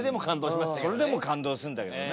それでも感動するんだけどね。